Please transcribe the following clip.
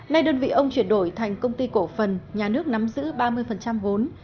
nay đơn vị ông chuyển đổi thành công ty cổ phần nhà nước nắm giữ ba mươi vốn